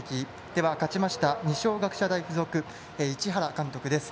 では、勝ちました二松学舎大付属市原監督です。